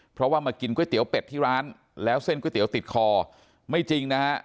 เพราะว่ามากินก๋วยเตี๋ยวเป็ดที่ร้านแล้วเส้นก๋วยเตี๋ยวติดคอไม่จริงนะฮะ